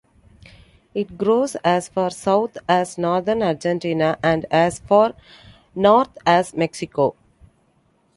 It grows as far south as northern Argentina and as far north as Mexico.